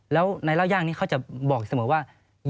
แล้วในเล่าย่างนี้เขาจะบอกเสมอว่า